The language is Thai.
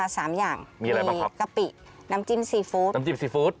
สามอย่างมีอะไรบ้างครับกะปิน้ำจิ้มซีฟู้ดน้ำจิ้มซีฟู้ด